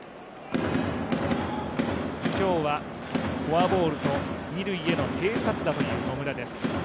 今日はフォアボールと二塁への併殺打という野村です。